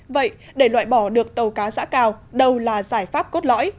vậy để loại bỏ được tàu cá giã cào đâu là giải pháp cốt lõi